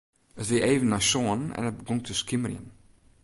It wie even nei sânen en it begûn te skimerjen.